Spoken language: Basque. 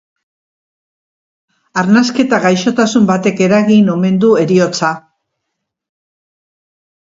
Arnasketa-gaixotasun batek eragin omen du heriotza.